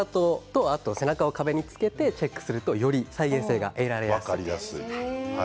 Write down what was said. かかとと背中を壁につけてチェックすると再現性が分かりやすいです。